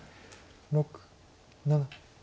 ６７。